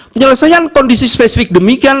penyelesaian kondisi spesifik demikian